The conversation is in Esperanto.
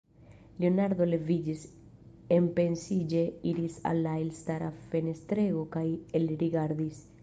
Leonardo leviĝis, enpensiĝe iris al la elstara fenestrego kaj elrigardis.